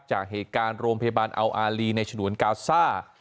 จากเหตุการณ์โรงพยาบาลอัลอารีในฉนวนกาซ่า